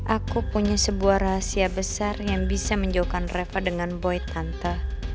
aku punya sebuah rahasia besar yang bisa menjauhkan reva dengan boy tanta